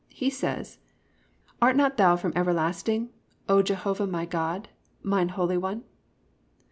He says, +"Art not thou from everlasting, O Jehovah my God, mine holy one?"